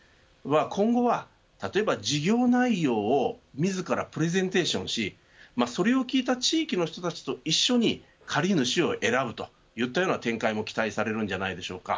今後は、例えば事業内容を自らプレゼンテーションしそれを聞いた地域の人たちと一緒に借主を選ぶといった展開も期待されるんじゃないでしょうか。